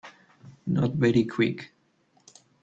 Not very Quick